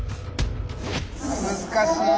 難しいな。